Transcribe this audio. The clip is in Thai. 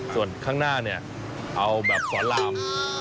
ส่วนข้างหน้าเอาแบบสวรรค์ราม